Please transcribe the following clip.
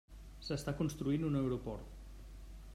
S'està construint un aeroport.